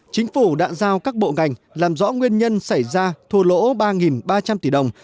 chính phủ đã giao các bộ ngành làm rõ nguyên nhân xảy ra thua lỗ ba ba trăm linh tỷ đồng